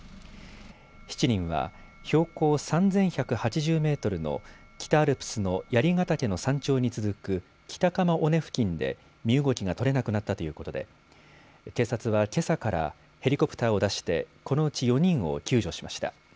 ７人は標高３１８０メートルの北アルプスの槍ヶ岳の山頂に続く北鎌尾根付近で身動きが取れなくなったということで警察はけさからヘリコプターを出してこのうち４人を救助しました。